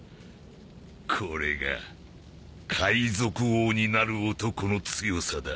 これが海賊王になる男の強さだ。